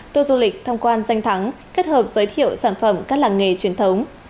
tour du lịch tham quan danh thắng kết hợp giới thiệu sản phẩm các làng nghề truyền thống